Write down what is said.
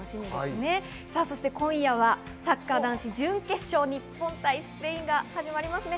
今夜はサッカー男子・準決勝、日本対スペインが始まります。